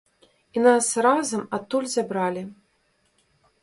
І нас разам адтуль забралі.